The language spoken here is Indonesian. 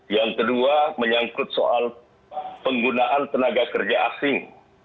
yang kedua menyangkut soal penggunaan tenaga kerja asing